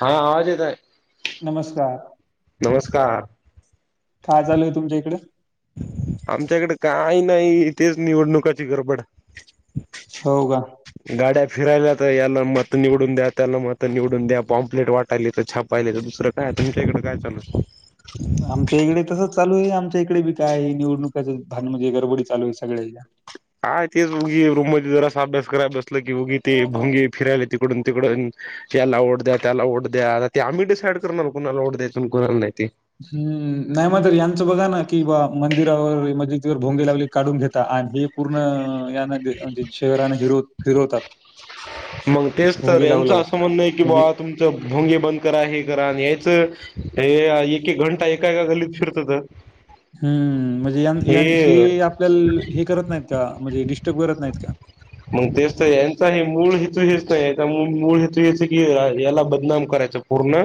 हा आवाज येतय. नमस्कार नमस्कार काय चालूय तुमच्या इकडें [inaudible] आमच्याकडे काही नाही तेेच निवडणुकाची गडबड हो का? गाड्या फिरायला तर याला मत निवडून द्या त्याला मत निवडून द्या पॉम्पलेट वाटायले तर छापाय पाहिले तर दुसरं काय? तुमच्या इकडें काय चालू आहे. आमच्या इकडे तसच चालू आहे आमच. इकडे बी काय निवडणुकचं भान म्हणजे गडबडी चालू आहे सगळ्या हा तेच उगी रूम मध्ये जरा अस अभ्यास करा बसला की उगी ते भोंगी फिरायला तिकडून तिकडून याला ओढ द्या त्याला ओढ द्याता ते आम्ही डिसाईड करणारलो कुणाला ओढ द्यायच कुला नाही ते हम्म नाही मगत यांचं बघा ना कि बा मंदिरावर मजिदखवर भोंगी लावली काढून घेता. आणि हे पूर्ण याना म्हणजे शेहराने हिरो हिरो. मग तेच तर यांचं असं म्हणणं आहे की म्हणजे बाबा तुमचं भोंगे बंद करा हे करा आणि यायचं. एक एक घंटा एका एका गल्लीत फिरत तर हम्म म्हणजे हे आपल्याला हे करत नाहीत का म्हणजे डिस्टर्ब करत नाहीत का? मग देवसा यांचा हे मू च नाही मळ हूच की याला बदनाम करायच पूर्ण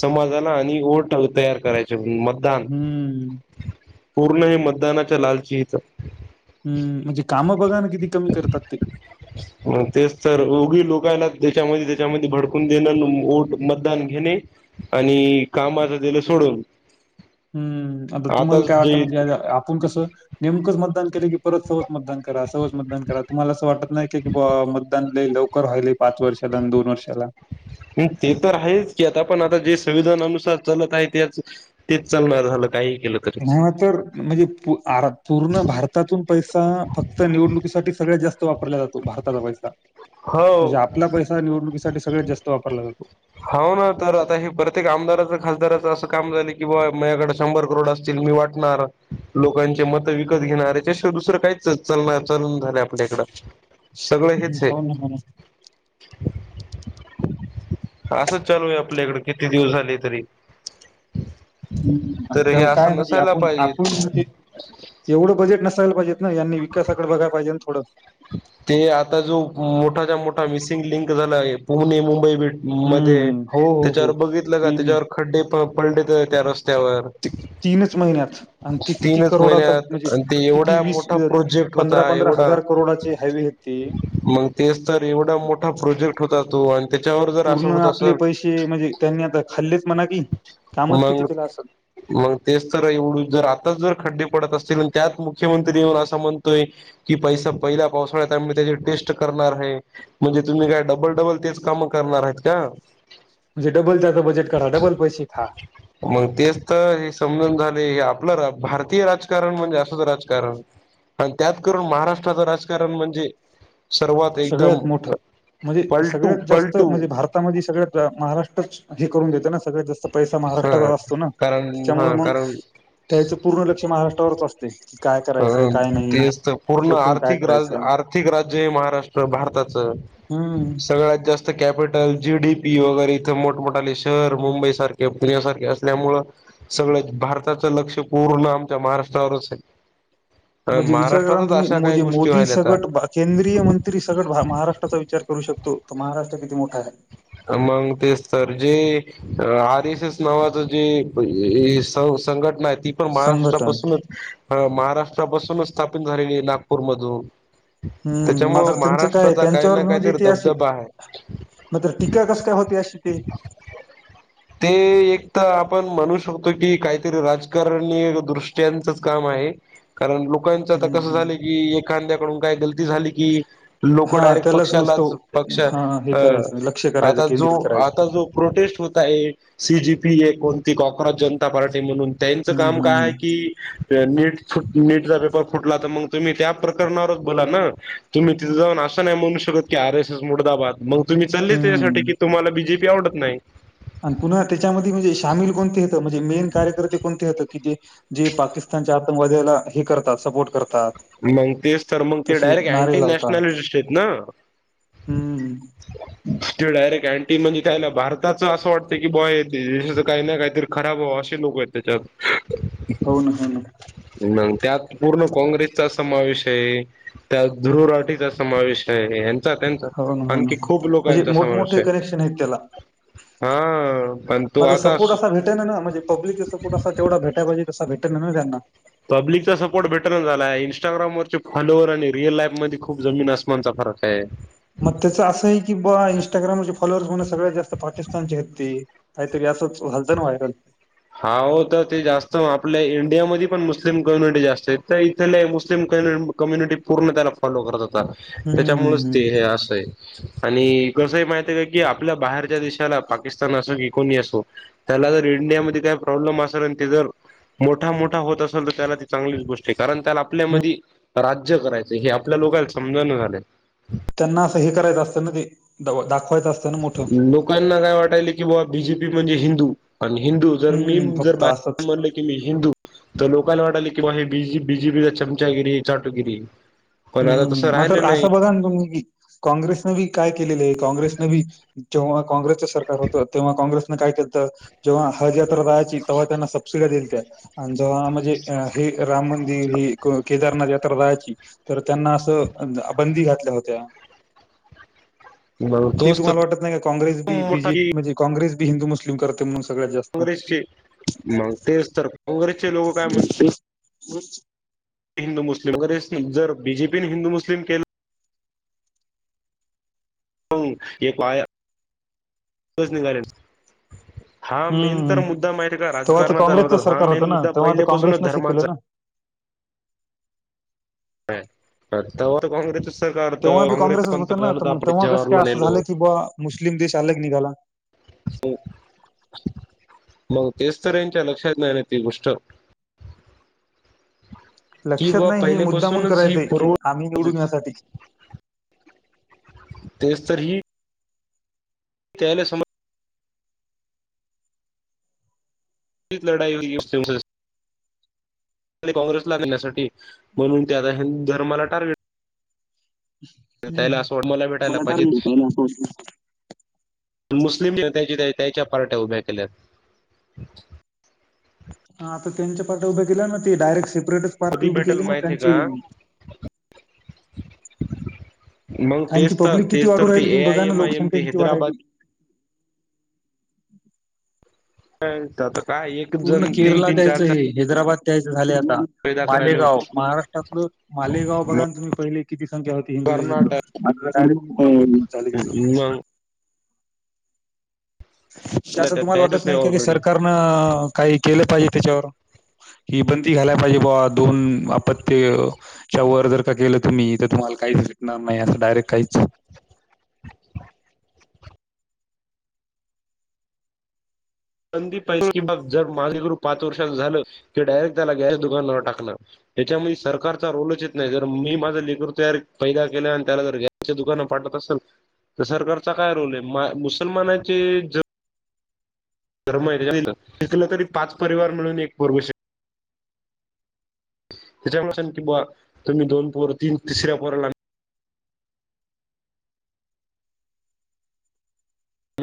समाजाला आणि ओ तयार करायच. मतदान हम्म पूर्ण हे मतदानाच्या लालची इथ. हम्म म्हणजे कामं बघा ना किती कमी करतात ते ही लोक त्या त्यामध्ये भडकून देण मतदान घे आणि काम माझं दिलं सोडून. हम्म आता तुम्हाला काय वाटतं? म्हणजे आपण कसं नेमकंच मतदान केलं की, परत सहज मतदान करा सहवज मतदान करा तुम्हाला असं वाटत नाही. कि मतदान लवकर व्हायले पाच वर्षाला आणि दोन वर्षाला [inaudible] ते तर आहेच की आता पण आता जे संविधानुसार चालत आहे तेच तेच चालणार झालं काही. केलं तरी ह तर म्हणजे आरं पूर्ण भारतातून पैसा फक्त निवडणुकीसाठी सगळ्यात जास्ती वापरला जातो भारताचा पैसा म्हणजे हो आपला पैसा निवडणुकीसाठी सगळ्यात जास्त वापरला जातो. हो ना तर आता हे प्रत्येक आमदाराचं खासदाराचं असं काम झालं की बा माझ्याकडे शंभर करोड असतील. मी वाटणार. लोकांचे मत विकत घेणारेच्याशिवाय दुसरं काहील चाल झालं आपल्याकडं. सगळं हेच आहे हो ना हो ना. असंच चालू आहे आपल्याकड किती दिवस झाले तरी हम् तर हे त्याला काय असं म्हणजे नसायला आपण पाहिजे आप म्हणजे एवढं बजेट नस. यला पाहिजेत ना विकासाकडे बघाय पाहिजे थोडं. ते आता जो मोठाच्या मोठा मिसिंग लिंक झाला आहे पुणे मुंबई भेट. मध्ये हं. हो, हो, त्याच्यावर हो. बघितलं का ते बी. त्याच्या खड्डे. पलेत त्या रस्त्यावर ते तीनच महिन्यात आणि ते किती तीनच महिले करोडाचा म्हणजे आणि ते किती एवढा वीस मोठा प्रोजेक्ट पंधरा होता पंधरा एवढा हजार करोडाचे हायवे आहेत ते मग तेच तर एवढा मोठा प्रोजेक्ट होता तो आणि त्याच्यावर जर असं पूर्ण होत आपले असेल पैसे म्हणजे त्यांनी आता खाल्लेत म्हणा कि मग मग तेच तर एवढ जर आताच जर खड्डे अस त्यात मुख्यमंत्री असं म्हणतोय की पैसा पहिला पावसाळ्या त्यामुळे त्याची टेस्ट करणार आहे म्हणजे तुम्ही काय डबलडबल तेच काम करणार आहेत का. म्हणजे डबल त्याचा बजेट करा डबल पैसे खा. मग तेच तर हे समजून झाले हे आपलं भारतीय राजकारण म्हणजे असंच राजकारण आणि त्यात करून महाराष्ट्राचं राजकारण म्हणजे सर्वात एकदम सगळ्यात मोठं म्हणजे पलटू सगळ्यांत जास्तं पलटू म्हणजे भारतामध्ये सगळ्यांत महाराष्ट्राचं हे करून देते ना सगळ्यांत जास्तं पैसा ह महाराष्ट्रातच असतो ना कारण त्याच्यामुळे ह मग कारण त्याचं पूर्ण लक्ष महाराष्ट्रावरच असते. काय करायचं हं काय नाही तेच तर पूर्ण कुठून काय आर्थिक राज करायचं आर्थिक राज्य महाराष्ट्र भारताच हम्म सगळ्यांत जास्तं कॅपिटल जीडीपी वगैरे मोठमोठाले शहर मुंबई सारखे, पुण्यासारखे असल्यामुळे सगळं भारताचं लक्ष पूर्ण पूर्ण आमच्या महाराष्ट्रावरच आहे. म्हणजे विचार महाराष्ट्र करा ना त्रातच तुम्ही अशा काही म्हणजे गोष्टी मोदी व्हायल्यात सगट आता केंद्रीय मंत्री सगट महाराष्ट्राचा विचार करू शकतो. तो महाराष्ट्र किती मोठा आहे. मगं तेच तर जे आरस एस नावाचं जे संघटना आहेत. ती पण संघटन महाराष्ट्रापासूनच महाराष्ट्रापासूनच स्थापन झालेली आहे, नागपूर मधून हम्म त्याच्यामुळ मात्र त्यांचं काय आहे? महाराष्ट्राचा काही त्यांच्यावर ना म्हणजे काहीतरी ते अशी धबधबा आहे. मात्र टीका कस काय होते अशी ते ते एक तर आपण म्हणू शकतो की काहीतरी राजकारणी दृष्ट्यांचच काम आहे. कारण लोकांचं आता हम्म कस हम्म झालयं की एखाद्याकडून काय गलती.. झाली की लोक हा डायरेक्ट त्यालाच पक्षालाच नुसतं पक्षा हा हे अ. करायचं लक्ष करायचं आता जो केंद्रित करायचं आता जो प्रोटेस्ट होता आहे सी. जी. पी.. कोणती कोक्राझ जनता पार्टी म्हणून त्यांचं हम्म काम काय हम्म आहे हम्म की नीट नीटचा पेपर.. फुटला तर मग तुम्ही त्या प्रकणावरच बोला ना तुम्ही तिथ जाऊन असं नाही म्हणू शकत की आर. एस. एस मुडदा बाद.. मग तुम्ही.. त्यांच्यासाठी हम्म की तुम्हाला बीजेपी आवडत नाही.. आणि पुन्हा त्याच्यामध्ये म्हणजे सामील कोणते होतं म्हणजे मेन कार्यकर्ते कोणते होते की जे पाकिस्तान.. म्हणजे आतंकवाद्याला सपोर्ट करतात. मग तेच तर मग ते तसे डायरेक्ट अँटी नारे लावतात नॅशनलिस्ट आहेत ना. हम्म. ते डायरेक्ट अँटी म्हणजे भारताचं असं वाटतंय की बाय देशाचं काही ना काहीतरी खराब व्हावं. असे लोक आहेत त्याच्यात हो ना हो ना. त्यात पूर्ण काँग्रेसचा सपोर्ट समावेश आहे त्या धु्रुराटीचा समावेश आहे. त्यांचा हो ना हो ना आणखी खूप म्हणजे लोकांचा समावेश मोठमोठे आहे कनेक्शन आहेत त्याला.. हा पण तो मझ आता सपोर्ट असा भेटायना, ना म्हणजे पब्लिकचा सपोर्ट असा तेवढा भेटाय पाहिजे.. तसा भेटेना ना त्यांना.. पब्लिकचा सपोर्ट भेटेना झालाय इंस्टाग्रामवररचे फॉलोवर आणि रिअल लाईफमध्ये खूप जमीन आसमानचा फरक आहे. मग त्याचं असं आहे की बा काहीतरी असंच झालतं ना व्हायरल हा हो तर ते जास्त आपले इं.. डियामध्ये पण मुस्लिम कम्युनिटी जास्त आहे त्या इथले मुस्लिम कम्य कम्यनिटी पूर्ण त्याला फॉलो करत असते.. त्याच्यामुळेच हम्म ते हे हम्म असं आहे.. आणि कसंहय माहित आहे का की आपल्या बाहेरच्या देशाला पाकिस्तान असो कि कोणी असो.. त्याला जर इंडियामध्ये काय प्रॉब्लेम असलं ते जर.. मोठा मोठा होत असलं तर त्याला ती चांगलीच गोष्ट आहे कारण त्याला आपल्यामध्ये राज्य करायचं हे आपल्या लोकला समजना झालंय. त्यांना असं हे करायचं असतं ना ते दाखवून.. लोकांना काय वाटालयं की बा बीजेपी म्हणजे हिंदू हिंदू जर मी हम्म जर फक्त असं बाहेर म्हणलं की मी हिंदू तर लोकांना वाटले की बीजीपी.. बिजीपी ची चमचागिरी चाटूगिरी.. हम्म मग तर असं बघा ना तुम्हीबी.. काँग्रेसने बी काय केलेलं आहे काँग्रेसन बी जेव्हा काँग्रेसचं सरकार होतं तेव्हा काँग्रेस मग काय केलंत जेव्हा हाज यात्रा राहायची तेव्हा तेन्ना सपसिड्या आणि जव्हा म्हणजे हे राम मंदिर ही क केदारनाथ यात्रा राहायची तर त्यांना असं अ द बंदी घातल्या होत्या. मग हे तोच तर तुम्हाला वाटत नाही का काँग्रेस बी मोठा बीजेप की म्हणजे काँग्रेस बी हिंदू मुस्लिम करते म्हणून सगळ्यात जास्त. काँग्रेसचे मग तेच तर काँग्रेसचे लोक काय म्हण मं [unintelligible] हिंदू मुस्लिम [unintelligible] जर बी जे पीने हिंद मुस्लिम केलं [unintelligible] निघालेलं. हा मेन हम्म तर मुद्दा माहित आहे का तेव्हा तर राजकारणाचा काँग्रेसचं नव्हता हा सरकार होतं मेन ना मुद्दा तेव्हा तर पहिल्यापासूनच काँग्रेसनंच हे केलं धर्माचा ना. [inaudible] तेव्हा होतं बी काँग्रेसचं काँग्रेसच होत ना पंतप्रधान तर होतं मग आपण तेव्हा कस काय जवाहरलाल असं झालं की नेहरू बा मुस्लिम देश आलग निघाला. हो. मग तेच तर हेंच्या लक्षात नाई ना ती गोष्ट. [unintelligible] की लक्षात बा नाही हे मुद्दामून पहिलेपासूनच ही करायचंय की पूर्व आम्ही निवडून यासाठी. तेच तर ही त्याले समज. तीच लढाई काँग्रेसला [unintelligible] साठी म्हणून ते आता हिंदू धर्माला टार्गेट त्याला हम्म सोड मला भेटायला पाहिजच. मुस्लिम त्याच्या पार्ट्या उभ्या केल्या. ह आता त्यांच्या पाठे उभे केले ना ते डायरेक्ट प्रोटेस्ट पार्टी कधी उभी भेटेल केली ना माहितीये त्यांची का मग त्यांची तेच तर पब्लिक किती तेच वाढू तर ते राहिली ए तुम्ही आय बघा ना एम आय एम लोकसंख्या ते किती हैदराबाद वाढायली. ह त्यात पूर्ण केरला त्यांचय हे हैदराबाद तेच झाले आता पैदा करायला मालेगाव होते. महाराष्ट्रातलं मालेगाव मग बघा तुम्ही पहिले किती संख्या होती हिंदू. कर्नाटक [unintelligible] मग की असं तुम्हाला वाटत त्याच आहे नाही का कि ऑलरेडी सरकारनं काही केलं पाहिजे तेच्यावर? हि पण ती घायला पाहिजे भावा दोन आपत्यच्या वर जर का केलं तुम्ही तर तु मला काहीच भेटणार नाही असं डायरेक्ट काहीच बंदी पाहिजे कि मग जर माझे गुरु पाच वर्षाच झालं की डायरेक्ट त्याला गॅस दुकानावर टाकणार. त्याच्यामुळे सरकारचा रोलच येत नाही जर मी माझ लेकरू तयार फैदा केला आणि त्याला जर गॅसच्या दुकानवर पाठव. त असल तर सरकारचा काय रोल आहे माय मुसलमानाचे ज शि शिकलं तरी पाच परिवार मिळून एक पुरवू शक त्याच्या तुम्ही दोन पोर तीन तिसऱ्या पोराला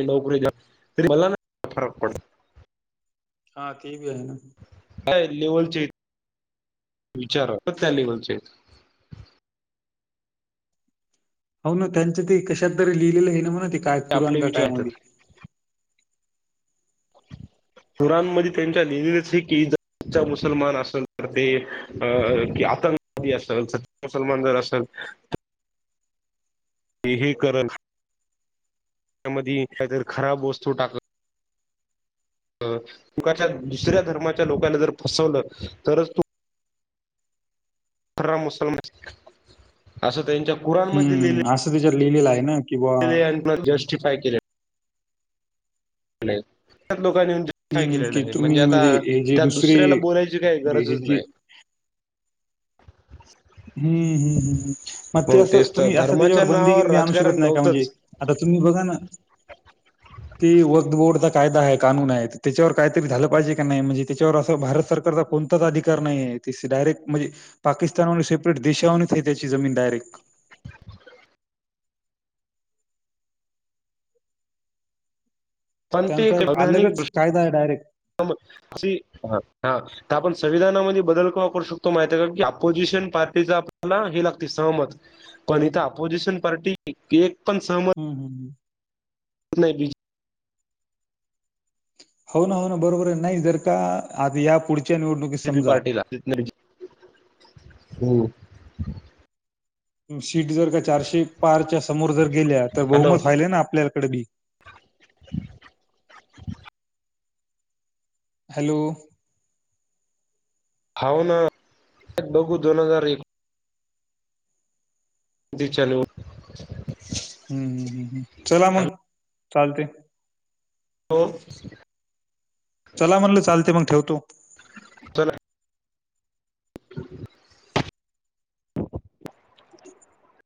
नोकरी [unintelligible] मला ना फरक पडत. हा तेबी हाय ना. काय लेवलचे विचार अ त्या लेवलचे हो ना त्यांच ते कशातार लिहिलेलं हाय ना म्हण ते काय कुराण आपले का विचार काय आहेत मध्ये. [unintelligible] कुरानमध्ये त्यांच्या लिहिलेलंच हाय की सच्चा मुसलमान असल तर ते अ कि आतंकवादी असल सच्चा मुसलमान जर असल. [unintelligible] ते हे करलं त्या मध्ये काहीतरी खराब वस्तू टाक अ तुकाच्या दुसऱ्या धर्माच्या लोकाांला जर फसवलं तरच तू खरा मुसलन असं त्यांच्या कुराणमध्ये हम्म लिहिलेले असं तिच्यात लिहिलेलं आहे ना. की बुवा जस्टिफाय केले. ह. लोकांनी जस्टीफाय हम्म केलेलं की आहे म्हणजे तुम्ही आता हे जे त्या दुसरे दुसऱ्याला बोलायची काही हे गरजच जे नाही. [unintelligible] हम् हम् हम् हम् मग ते असं तेच तर तुम्ही असं त्याच्यावर धर्माच्या बंदी नावावर बिंदी आणू शकत राजकारण नाही का म्हणजे नव्हतंच आता बघन ते वक्त बोर्डत कायदा आहे कानून आहे त्याच्यावर काहीतरी झालं पाहिजे काी नाही म्हणजे त्याच्यावर असं भारत सरकारचा कोणताच अधिकार नाहीये. डायरेक्ट म्हणजे पाकिस्तान सेपरेट देशानच त्याची जमीन डायरेक्ट. [unintelligible] त्यांचा एक अलगच कायदा आहे डायरेक्ट संविधानामध्ये बदल क करू शकतो माहिती आहे का की ऑपोजिशन पार्टीच आपल्याला हे लागते सहमत पण इथं ऑपोझिशन पार्टी एक. पण सहमत हम हम हम. नाही बीज. हो ना हो ना बरोबर आहे नाही जर का आता या पुढ पुढच्या निवडणुकीत बीजेपी समजा. पार्टीला हो सीट जर का चारशे पारच्या समोर जर गेल्या तर हॅलो बहुमत व्हायलेय ना आपल्याला कड वी हॅलो, हा व ना बघू दोन हजार एक तिच्या नोट हम्म हम्म हम्म हम् चला मंग चालते. हो, चला म्हणलं चालते मग ठेवतो? चला [unintelligible]